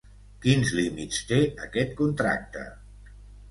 Quins límits té aquest contracte?